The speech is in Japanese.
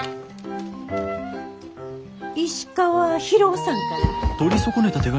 石川博夫さんから。